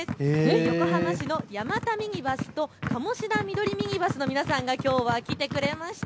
横浜市の山田ミニバスと鴨志田緑ミニバスの皆さんがきょうは来てくれました。